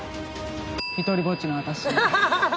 独りぼっちの私。